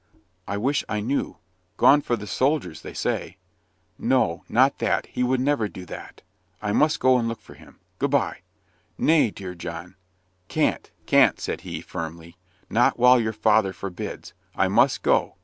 "I wish I knew! Gone for the soldiers, they say." "No, not that he would never do that. I must go and look for him. Good bye." "Nay, dear John!" "Can't can't," said he, firmly, "not while your father forbids. I must go."